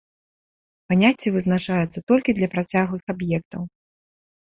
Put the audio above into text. Паняцце вызначаецца толькі для працяглых аб'ектаў.